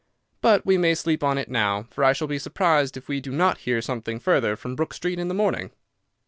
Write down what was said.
But we may sleep on it now, for I shall be surprised if we do not hear something further from Brook Street in the morning."